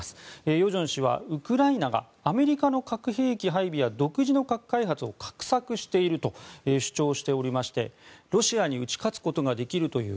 与正氏は、ウクライナがアメリカの核兵器配備や独自の核開発を画策していると主張しておりましてロシアに打ち勝つことができるという